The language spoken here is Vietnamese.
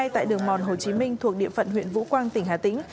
tại đường mòn hồ chí minh thuộc địa phận huyện vũ quang tỉnh hà tĩnh